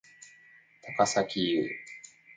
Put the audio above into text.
高咲侑